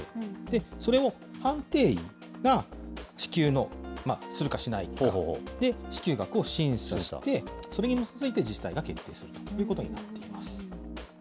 それを判定医が、支給の、するかしないか、支給額を審査して、それによって、自治体が決定するということになっています。